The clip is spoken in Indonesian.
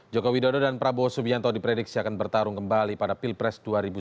joko widodo dan prabowo subianto diprediksi akan bertarung kembali pada pilpres dua ribu sembilan belas